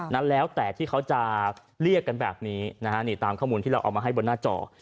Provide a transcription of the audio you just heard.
นั้นแล้วแต่ที่เขาจะเรียกกันแบบนี้นะฮะนี่ตามข้อมูลที่เราเอามาให้บนหน้าจอ